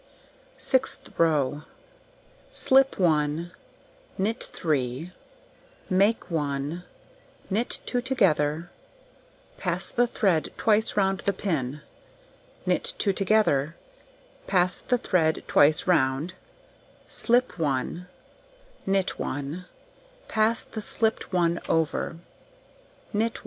Sixth row: Slip 1, knit 3, make 1, knit 2 together, pass the thread twice round the pin, knit 2 together, pass the thread twice round, slip 1, knit 1, pass the slipped one over, knit 1.